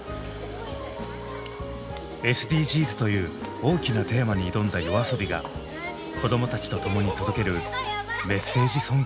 「ＳＤＧｓ」という大きなテーマに挑んだＹＯＡＳＯＢＩが子どもたちと共に届けるメッセージソングです。